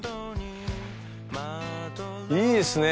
いいっすね！